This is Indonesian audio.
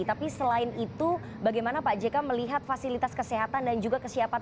tapi selain itu bagaimana pak jk melihat fasilitas kesehatan dan juga kesiapan